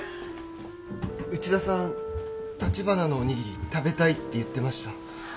内田さん「たちばなのおにぎり食べたい」って言ってました